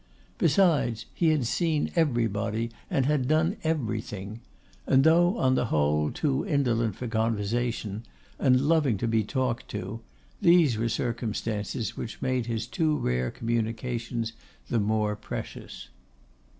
Besides, he had seen everybody and had done everything; and though, on the whole, too indolent for conversation, and loving to be talked to, these were circumstances which made his too rare communications the more precious.